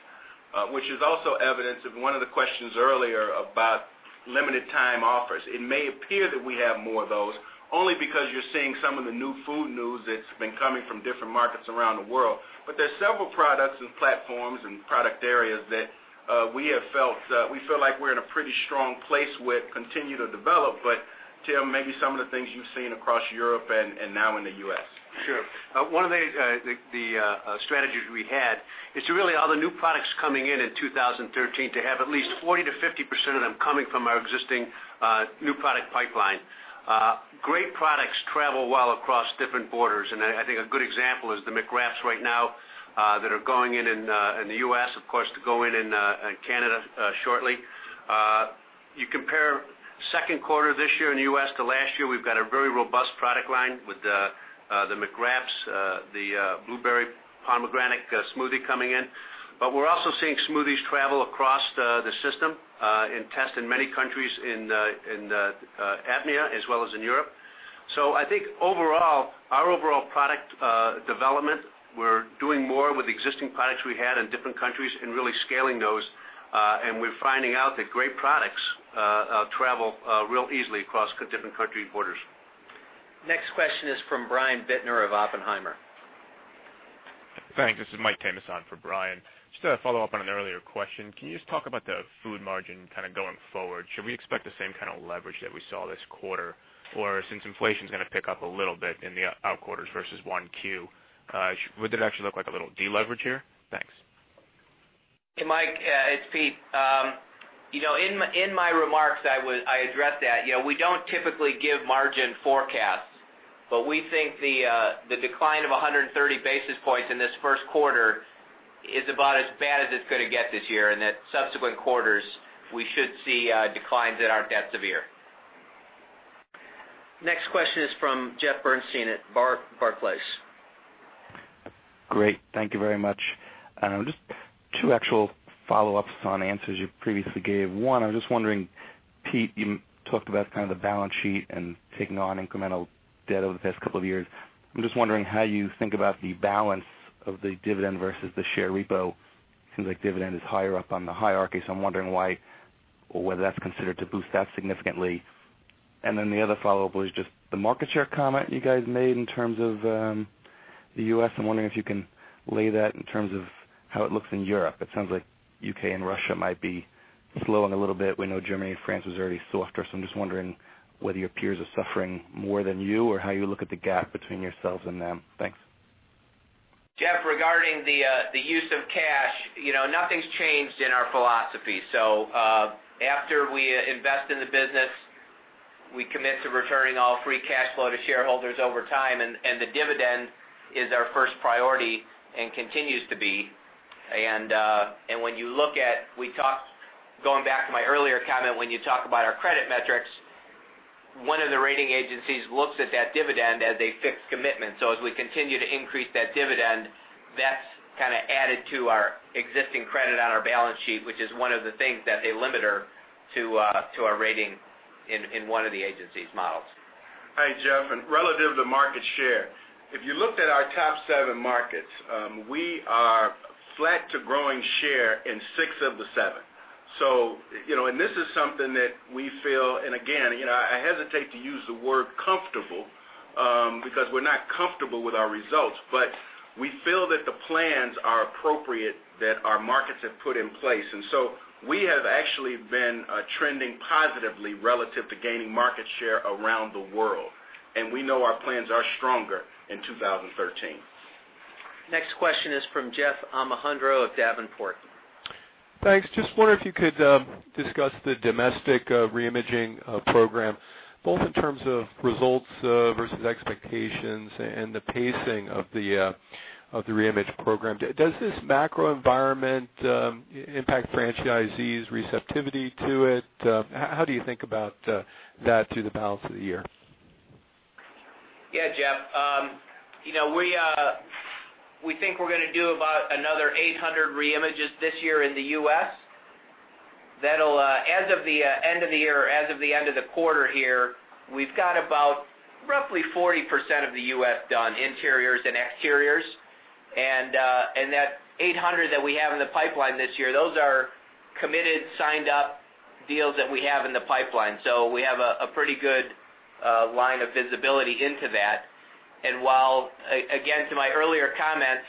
which is also evidence of one of the questions earlier about limited time offers. It may appear that we have more of those only because you're seeing some of the new food news that's been coming from different markets around the world. There's several products and platforms and product areas that we feel like we're in a pretty strong place with, continue to develop. Tim, maybe some of the things you've seen across Europe and now in the U.S. Sure. One of the strategies we had is really all the new products coming in in 2013 to have at least 40%-50% of them coming from our existing new product pipeline. Great products travel well across different borders. I think a good example is the McWraps right now that are going in the U.S., of course, to go in Canada shortly. You compare second quarter this year in the U.S. to last year, we've got a very robust product line with the McWraps, the Blueberry Pomegranate Smoothie coming in. We're also seeing smoothies travel across the system in tests in many countries in APMEA as well as in Europe. I think overall, our overall product development, we're doing more with existing products we had in different countries and really scaling those, and we're finding out that great products travel real easily across different country borders. Next question is from Brian Bittner of Oppenheimer. Thanks. This is Michael Tamas on for Brian. Just to follow up on an earlier question, can you just talk about the food margin kind of going forward? Since inflation's going to pick up a little bit in the out quarters versus 1Q, would it actually look like a little deleverage here? Thanks. Hey, Mike, it's Pete. In my remarks, I addressed that. We don't typically give margin forecasts, we think the decline of 130 basis points in this first quarter is about as bad as it's going to get this year, and that subsequent quarters, we should see declines that aren't that severe. Next question is from Jeffrey Bernstein at Barclays. Great. Thank you very much. Just two actual follow-ups on answers you previously gave. One, I was just wondering, Pete, you talked about kind of the balance sheet and taking on incremental debt over the past couple of years. I'm just wondering how you think about the balance of the dividend versus the share repo. It seems like dividend is higher up on the hierarchy, so I'm wondering why or whether that's considered to boost that significantly. The other follow-up was just the market share comment you guys made in terms of the U.S. I'm wondering if you can lay that in terms of how it looks in Europe. It sounds like U.K. and Russia might be slowing a little bit. We know Germany and France was already softer. I'm just wondering whether your peers are suffering more than you or how you look at the gap between yourselves and them. Thanks. Jeff, regarding the use of cash, nothing's changed in our philosophy. After we invest in the business, we commit to returning all free cash flow to shareholders over time, the dividend is our first priority and continues to be. Going back to my earlier comment, when you talk about our credit metrics, one of the rating agencies looks at that dividend as a fixed commitment. As we continue to increase that dividend, that's kind of added to our existing credit on our balance sheet, which is one of the things that's a limiter to our rating in one of the agency's models. Hi, Jeff, relative to market share, if you looked at our top seven markets, we are flat to growing share in six of the seven. This is something that we feel, and again, I hesitate to use the word comfortable, because we're not comfortable with our results. We feel that the plans are appropriate that our markets have put in place. We have actually been trending positively relative to gaining market share around the world, and we know our plans are stronger in 2013. Next question is from Jeff Omohundro of Davenport. Thanks. Just wonder if you could discuss the domestic reimaging program, both in terms of results versus expectations and the pacing of the reimage program. Does this macro environment impact franchisees' receptivity to it? How do you think about that through the balance of the year? Yeah, Jeff. We think we're going to do about another 800 reimages this year in the U.S. As of the end of the year, as of the end of the quarter here, we've got about roughly 40% of the U.S. done, interiors and exteriors. That 800 that we have in the pipeline this year, those are committed, signed up deals that we have in the pipeline. We have a pretty good line of visibility into that. While, again, to my earlier comments,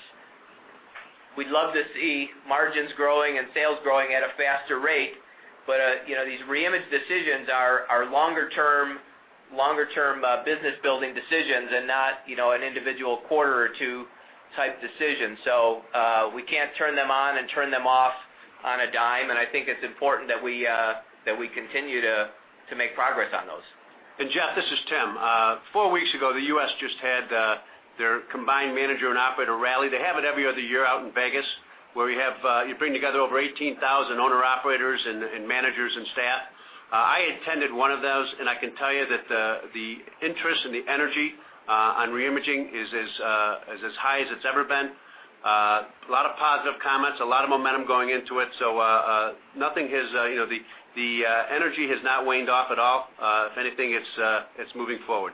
we'd love to see margins growing and sales growing at a faster rate, but these reimage decisions are longer term business building decisions and not an individual quarter or 2 type decision. We can't turn them on and turn them off on a dime, and I think it's important that we continue to make progress on those. Jeff, this is Tim. Four weeks ago, the U.S. just had their combined manager and operator rally. They have it every other year out in Vegas, where you bring together over 18,000 owner-operators and managers and staff. I attended one of those, and I can tell you that the interest and the energy on reimaging is as high as it's ever been. A lot of positive comments, a lot of momentum going into it. The energy has not waned off at all. If anything, it's moving forward.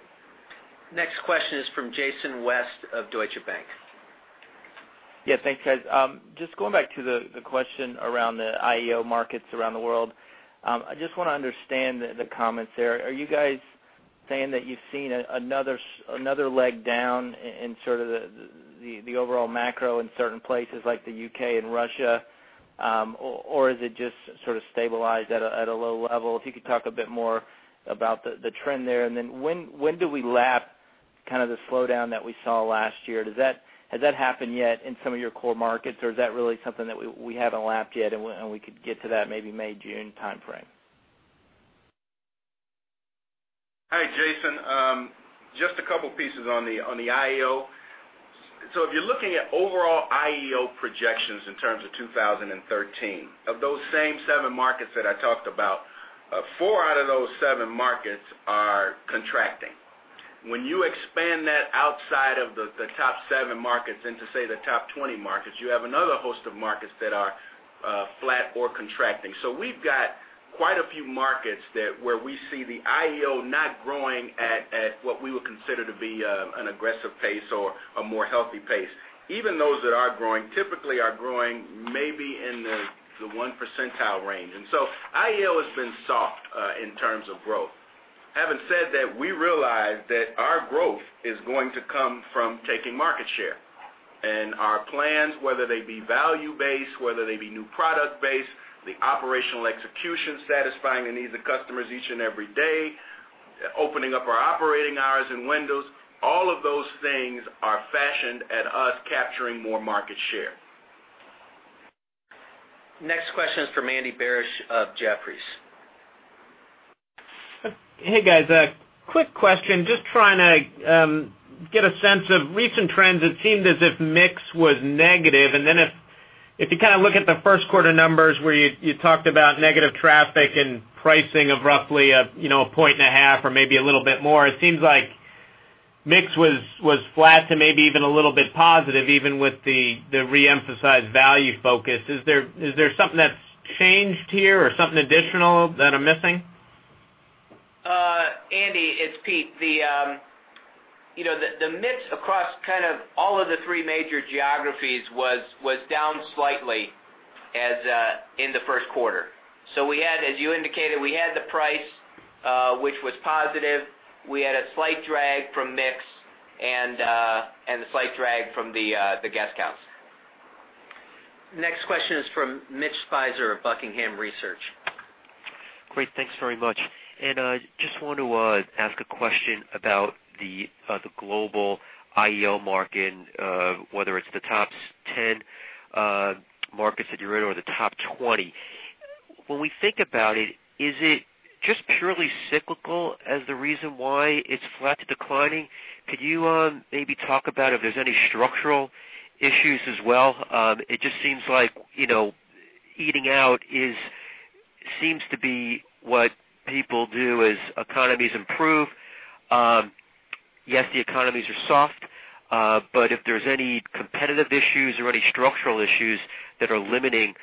Next question is from Jason West of Deutsche Bank. Yeah, thanks, guys. Just going back to the question around the IEO markets around the world. I just want to understand the comments there. Are you guys saying that you've seen another leg down in sort of the overall macro in certain places like the U.K. and Russia, or is it just sort of stabilized at a low level? If you could talk a bit more about the trend there, then when do we lap kind of the slowdown that we saw last year? Has that happened yet in some of your core markets, or is that really something that we haven't lapped yet, and we could get to that maybe May, June timeframe? Hi, Jason. Just a couple pieces on the IEO. If you're looking at overall IEO projections in terms of 2013, of those same seven markets that I talked about, four out of those seven markets are contracting. When you expand that outside of the top 7 markets into, say, the top 20 markets, you have another host of markets that are flat or contracting. We've got quite a few markets where we see the IEO not growing at what we would consider to be an aggressive pace or a more healthy pace. Even those that are growing typically are growing maybe in the one percentile range. IEO has been soft, in terms of growth. Having said that, we realize that our growth is going to come from taking market share. Our plans, whether they be value based, whether they be new product based, the operational execution satisfying the needs of customers each and every day, opening up our operating hours and windows, all of those things are fashioned at us capturing more market share. Next question is from Andy Barish of Jefferies. Hey, guys. A quick question. Just trying to get a sense of recent trends, it seemed as if mix was negative. If you kind of look at the first quarter numbers where you talked about negative traffic and pricing of roughly a point and a half or maybe a little bit more, it seems like mix was flat to maybe even a little bit positive, even with the re-emphasized value focus. Is there something that's changed here or something additional that I'm missing? Andy, it's Pete. The mix across kind of all of the three major geographies was down slightly in the first quarter. As you indicated, we had the price, which was positive. We had a slight drag from mix and a slight drag from the guest count. Next question is from Mitch Speiser of Buckingham Research. Great. Thanks very much. I just want to ask a question about the global IEO market and whether it's the top 10 markets that you're in or the top 20. When we think about it, is it just purely cyclical as the reason why it's flat to declining? Could you maybe talk about if there's any structural issues as well? It just seems like, eating out seems to be what people do as economies improve. Yes, the economies are soft, if there's any competitive issues or any structural issues that are limiting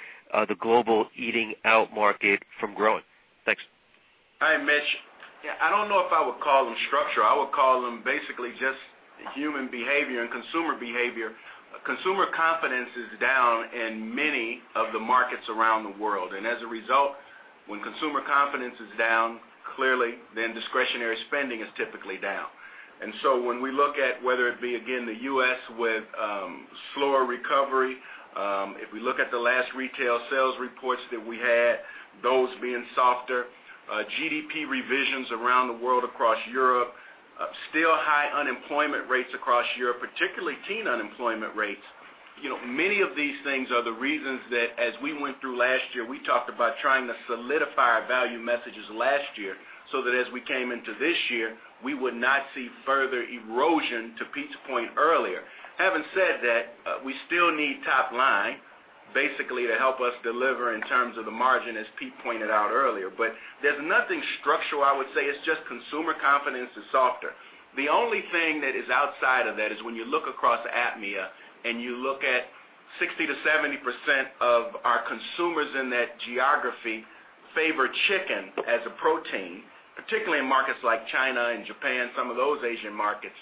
the global eating out market from growing. Thanks. Hi, Mitch. Yeah, I don't know if I would call them structural. I would call them basically just human behavior and consumer behavior. Consumer confidence is down in many of the markets around the world, as a result, when consumer confidence is down, clearly, then discretionary spending is typically down. When we look at whether it be, again, the U.S. with slower recovery, if we look at the last retail sales reports that we had, those being softer, GDP revisions around the world across Europe, still high unemployment rates across Europe, particularly teen unemployment rates. Many of these things are the reasons that as we went through last year, we talked about trying to solidify our value messages last year so that as we came into this year, we would not see further erosion, to Pete's point earlier. Having said that, we still need top line basically to help us deliver in terms of the margin, as Pete pointed out earlier. There's nothing structural I would say, it's just consumer confidence is softer. The only thing that is outside of that is when you look across APMEA and you look at 60%-70% of our consumers in that geography favor chicken as a protein, particularly in markets like China and Japan, some of those Asian markets,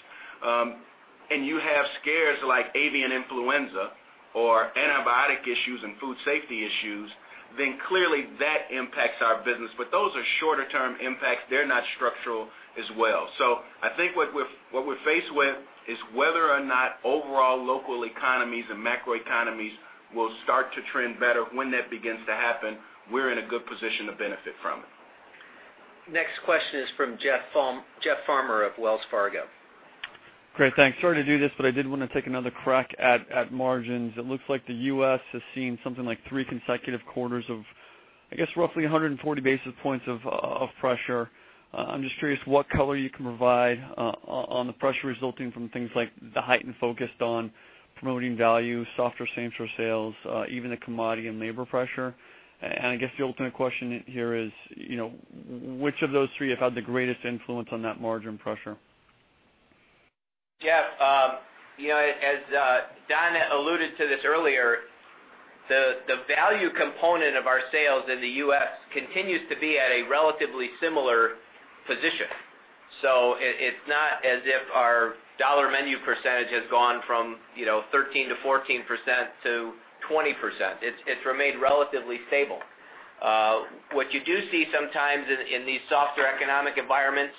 and you have scares like avian influenza or antibiotic issues and food safety issues, then clearly that impacts our business. Those are shorter-term impacts. They're not structural as well. I think what we're faced with is whether or not overall local economies and macro economies will start to trend better. When that begins to happen, we're in a good position to benefit from it. Next question is from Jeff Farmer of Wells Fargo. Great, thanks. Sorry to do this, I did want to take another crack at margins. It looks like the U.S. has seen something like three consecutive quarters of, I guess, roughly 140 basis points of pressure. I'm just curious what color you can provide on the pressure resulting from things like the heightened focus on promoting value, softer same-store sales, even the commodity and labor pressure. I guess the ultimate question here is, which of those three have had the greatest influence on that margin pressure? Jeff, as Don alluded to this earlier, the value component of our sales in the U.S. continues to be at a relatively similar position. It's not as if our Dollar Menu percentage has gone from 13% to 14% to 20%. It's remained relatively stable. What you do see sometimes in these softer economic environments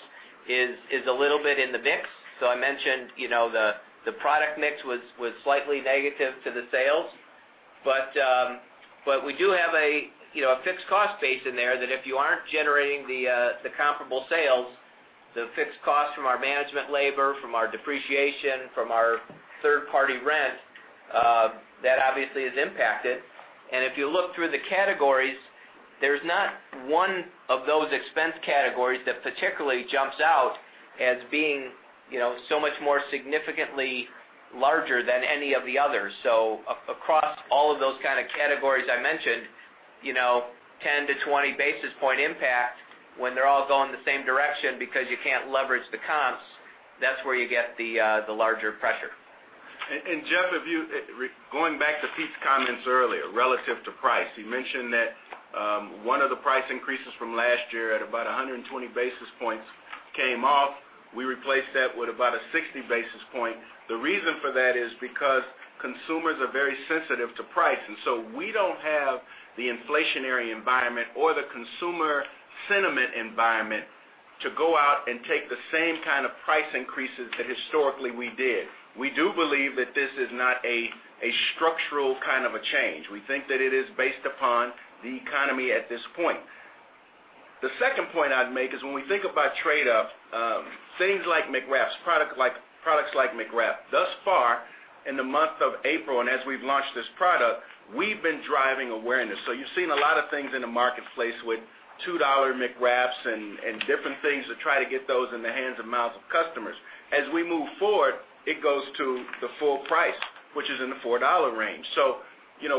is a little bit in the mix. I mentioned, the product mix was slightly negative to the sales, but we do have a fixed cost base in there that if you aren't generating the comparable sales, the fixed cost from our management labor, from our depreciation, from our third-party rent, that obviously is impacted. If you look through the categories, there's not one of those expense categories that particularly jumps out as being so much more significantly larger than any of the others. Across all of those kind of categories I mentioned, 10-20 basis points impact when they're all going the same direction because you can't leverage the comps, that's where you get the larger pressure. Jeff, going back to Pete's comments earlier, relative to price. He mentioned that one of the price increases from last year at about 120 basis points came off. We replaced that with about a 60 basis point. The reason for that is because consumers are very sensitive to price, and so we don't have the inflationary environment or the consumer sentiment environment to go out and take the same kind of price increases that historically we did. We do believe that this is not a structural kind of a change. We think that it is based upon the economy at this point. The second point I'd make is when we think about trade-up, things like McWraps, products like McWrap. Thus far in the month of April, and as we've launched this product, we've been driving awareness. You've seen a lot of things in the marketplace with $2 McWraps and different things to try to get those in the hands and mouths of customers. As we move forward, it goes to the full price, which is in the $4 range.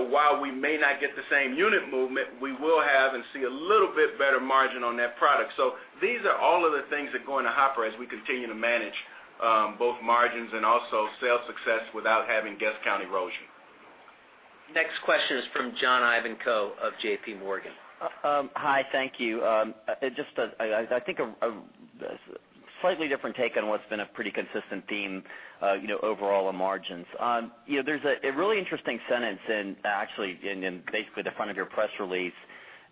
While we may not get the same unit movement, we will have and see a little bit better margin on that product. These are all of the things that go in the hopper as we continue to manage both margins and also sales success without having guest count erosion. Next question is from John Ivankoe of JPMorgan Chase. Hi, thank you. Just I think a slightly different take on what's been a pretty consistent theme, overall on margins. There's a really interesting sentence in basically the front of your press release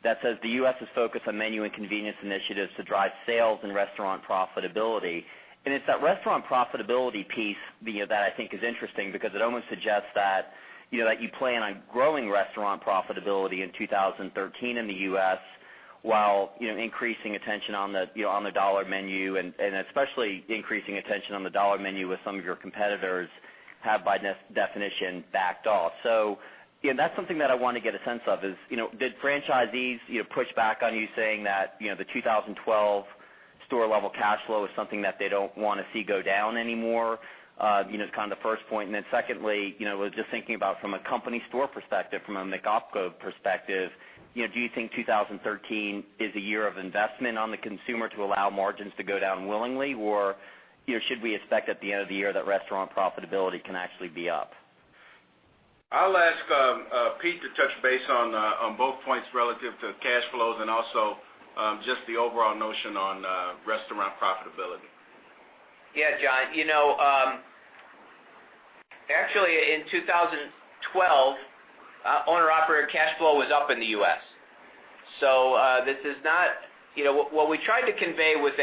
that says the U.S. is focused on menu and convenience initiatives to drive sales and restaurant profitability. It's that restaurant profitability piece that I think is interesting because it almost suggests that you plan on growing restaurant profitability in 2013 in the U.S., while increasing attention on the Dollar Menu and especially increasing attention on the Dollar Menu with some of your competitors have, by definition, backed off. That's something that I want to get a sense of is, did franchisees push back on you saying that the 2012 store-level cashflow is something that they don't want to see go down anymore? It's kind of the first point. Then secondly, was just thinking about from a company store perspective, from a McDonald's Corp perspective, do you think 2013 is a year of investment on the consumer to allow margins to go down willingly? Should we expect at the end of the year that restaurant profitability can actually be up? I'll ask Pete to touch base on both points relative to cash flows and also just the overall notion on restaurant profitability. Yeah, John. Actually, in 2012, owner operator cashflow was up in the U.S. What we tried to convey with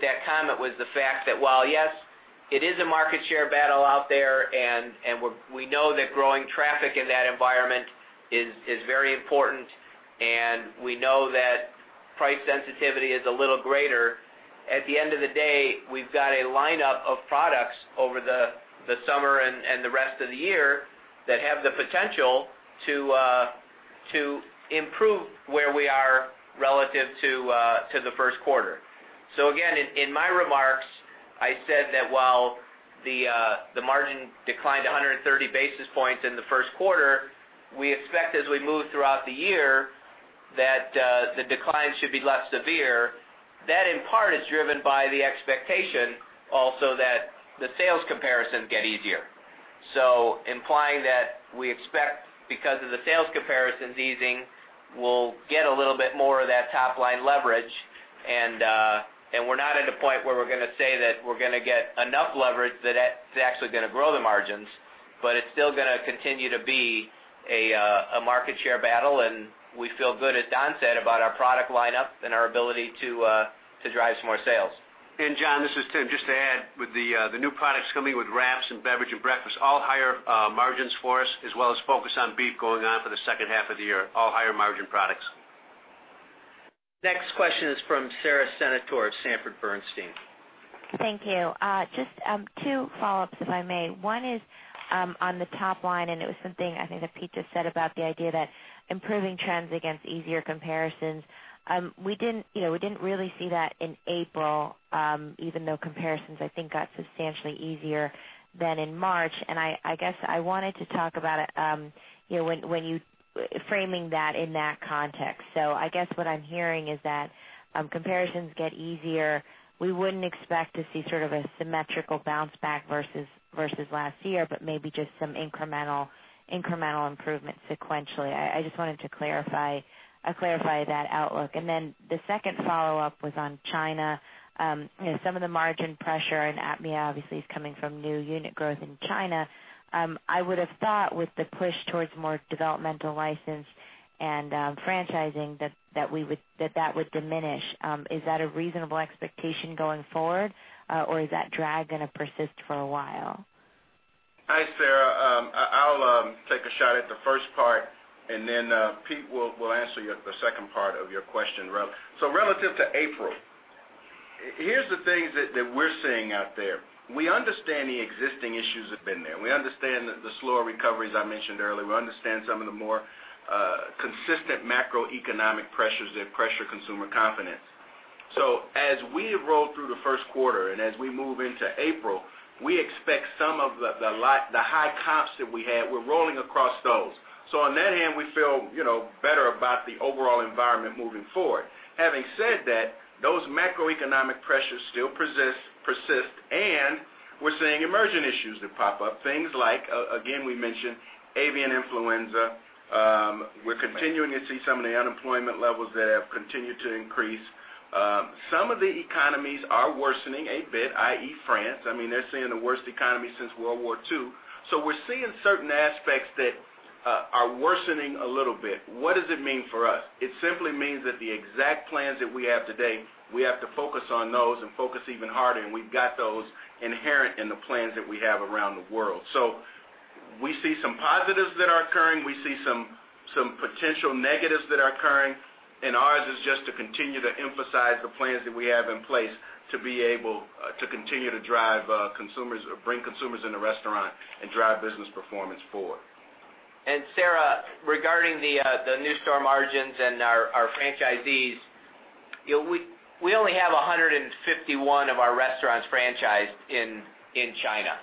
that comment was the fact that while, yes, it is a market share battle out there, and we know that growing traffic in that environment is very important, and we know that price sensitivity is a little greater. At the end of the day, we've got a lineup of products over the summer and the rest of the year that have the potential to improve where we are relative to the first quarter. Again, in my remarks, I said that while the margin declined 130 basis points in the first quarter, we expect as we move throughout the year that the decline should be less severe. That, in part, is driven by the expectation also that the sales comparisons get easier. Implying that we expect because of the sales comparisons easing, we'll get a little bit more of that top-line leverage, and we're not at a point where we're going to say that we're going to get enough leverage that's actually going to grow the margins, but it's still going to continue to be a market share battle, and we feel good, as Don said, about our product lineup and our ability to drive some more sales. John, this is Tim. Just to add, with the new products coming with wraps and beverage and breakfast, all higher margins for us, as well as focus on beef going on for the second half of the year, all higher-margin products. Next question is from Sara Senatore of Sanford Bernstein. Thank you. Just two follow-ups, if I may. One is on the top line. It was something I think that Pete just said about the idea that improving trends against easier comparisons. We didn't really see that in April, even though comparisons, I think, got substantially easier than in March. I guess I wanted to talk about it, framing that in that context. I guess what I'm hearing is that comparisons get easier. We wouldn't expect to see sort of a symmetrical bounce back versus last year, but maybe just some incremental improvement sequentially. I just wanted to clarify that outlook. The second follow-up was on China. Some of the margin pressure in APMEA obviously is coming from new unit growth in China. I would have thought with the push towards more developmental license and franchising, that that would diminish. Is that a reasonable expectation going forward? Is that drag going to persist for a while? Hi, Sara. I'll take a shot at the first part. Pete will answer the second part of your question. Relative to April, here's the things that we're seeing out there. We understand the existing issues have been there. We understand the slower recoveries I mentioned earlier. We understand some of the more consistent macroeconomic pressures that pressure consumer confidence. As we roll through the first quarter, as we move into April, we expect some of the high comps that we had, we're rolling across those. On that hand, we feel better about the overall environment moving forward. Having said that, those macroeconomic pressures still persist. We're seeing emerging issues that pop up, things like, again, we mentioned avian influenza. We're continuing to see some of the unemployment levels that have continued to increase. Some of the economies are worsening a bit, i.e., France. They're seeing the worst economy since World War II. We're seeing certain aspects that are worsening a little bit. What does it mean for us? It simply means that the exact plans that we have today, we have to focus on those and focus even harder, and we've got those inherent in the plans that we have around the world. We see some positives that are occurring. We see some potential negatives that are occurring, Ours is just to continue to emphasize the plans that we have in place to be able to continue to drive consumers or bring consumers in the restaurant and drive business performance forward. Sara, regarding the new store margins and our franchisees, we only have 151 of our restaurants franchised in China.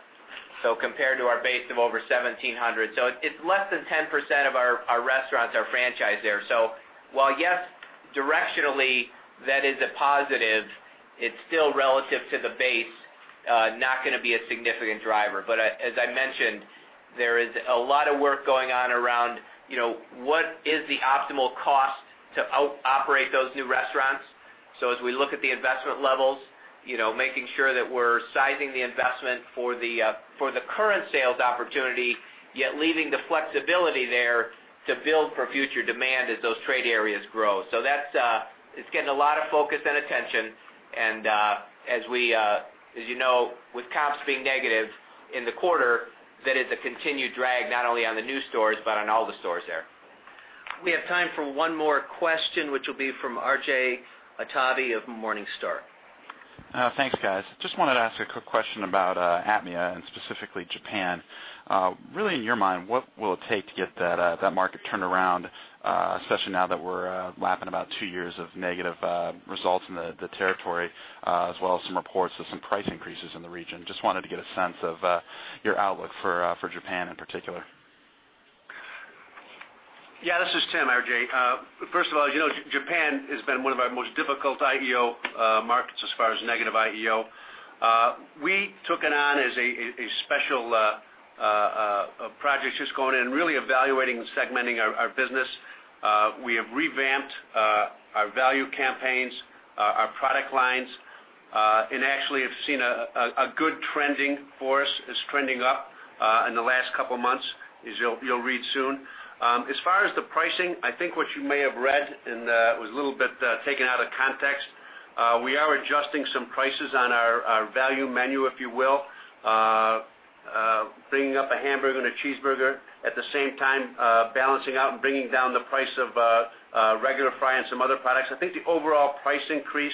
Compared to our base of over 1,700. It's less than 10% of our restaurants are franchised there. While, yes, directionally that is a positive, it's still relative to the base, not going to be a significant driver. As I mentioned, there is a lot of work going on around what is the optimal cost to operate those new restaurants As we look at the investment levels, making sure that we're sizing the investment for the current sales opportunity, yet leaving the flexibility there to build for future demand as those trade areas grow. It's getting a lot of focus and attention, and as you know, with comps being negative in the quarter, that is a continued drag not only on the new stores but on all the stores there. We have time for one more question, which will be from R.J. Hottovy of Morningstar. Thanks, guys. Just wanted to ask a quick question about APMEA, specifically Japan. Really, in your mind, what will it take to get that market turned around, especially now that we're lapping about two years of negative results in the territory, as well as some reports of some price increases in the region? Just wanted to get a sense of your outlook for Japan in particular. Yeah. This is Tim, R.J. First of all, Japan has been one of our most difficult IEO markets as far as negative IEO. We took it on as a special project, just going in and really evaluating and segmenting our business. We have revamped our value campaigns, our product lines, and actually have seen a good trending for us. It's trending up in the last couple of months, as you'll read soon. As far as the pricing, I think what you may have read, and it was a little bit taken out of context. We are adjusting some prices on our value menu, if you will, bringing up a hamburger and a cheeseburger at the same time, balancing out and bringing down the price of a regular fry and some other products. I think the overall price increase,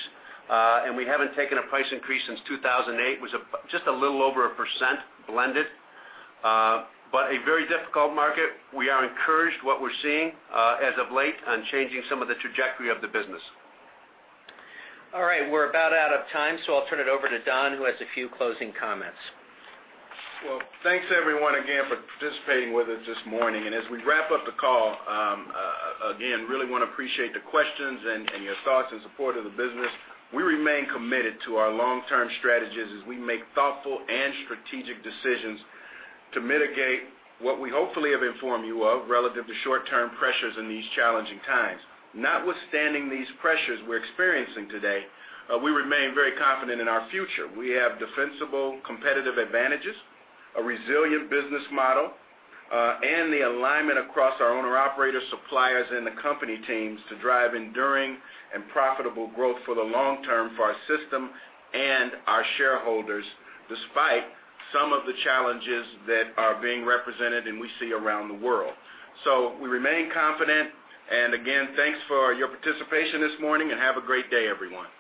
and we haven't taken a price increase since 2008, was just a little over 1% blended. A very difficult market. We are encouraged what we're seeing as of late on changing some of the trajectory of the business. All right. We're about out of time, so I'll turn it over to Don, who has a few closing comments. Well, thanks everyone again for participating with us this morning. As we wrap up the call, again, really want to appreciate the questions and your thoughts and support of the business. We remain committed to our long-term strategies as we make thoughtful and strategic decisions to mitigate what we hopefully have informed you of relative to short-term pressures in these challenging times. Notwithstanding these pressures we're experiencing today, we remain very confident in our future. We have defensible competitive advantages, a resilient business model, and the alignment across our owner operator suppliers and the company teams to drive enduring and profitable growth for the long term for our system and our shareholders, despite some of the challenges that are being represented and we see around the world. We remain confident and again, thanks for your participation this morning, and have a great day, everyone.